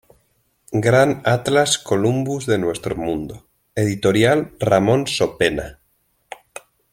Gran Atlas Columbus de Nuestro Mundo.Editorial Ramón Sopena.